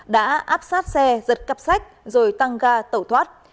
đã áp sát xe giật cặp sách rồi tăng ga tẩu thoát